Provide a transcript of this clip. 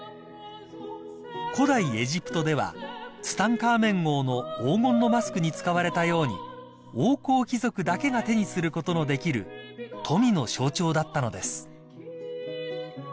［古代エジプトではツタンカーメン王の黄金のマスクに使われたように王侯貴族だけが手にすることのできる富の象徴だったのです］